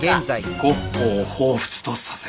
ゴッホをほうふつとさせる。